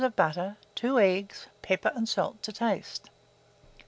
of butter, 2 eggs, pepper and salt to taste.